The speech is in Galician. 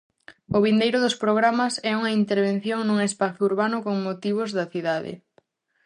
O vindeiro dos programas é unha intervención nun espazo urbano con motivos da cidade.